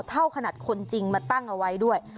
ขนาดคนจริงมาตั้งเอาไว้ด้วย